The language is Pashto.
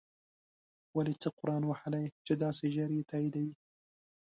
ولی څه قرآن وهلی یی چی داسی ژر یی تاییدوی